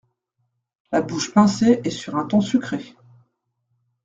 La bouche pincée et sur un ton sucré.